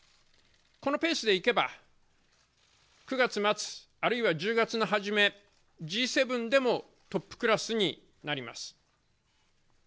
このペースでいけば９月末あるいは１０月の初め、Ｇ７でもトップクラスになります。